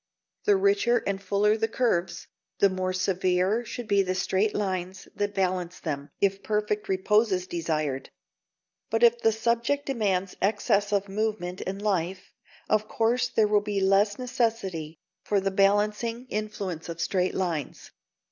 The richer and fuller the curves, the more severe should be the straight lines that balance them, if perfect repose is desired. But if the subject demands excess of movement and life, of course there will be less necessity for the balancing influence of straight lines.